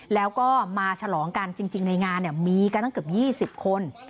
แล้วก็มาฉลองกันจริงในงานมีกันตั้งเกือบ๒๐คน